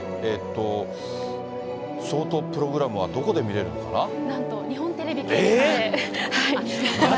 ショートプログラムはどこで見られるのかな。